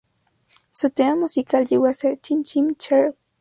Su tema musical llegó a ser "Chim Chim Cher-ee".